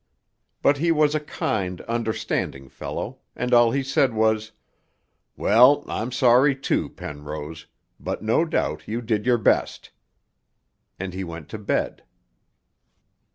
But he was a kind, understanding fellow, and all he said was, 'Well, I'm sorry, too, Penrose, but no doubt you did your best.' And he went to bed.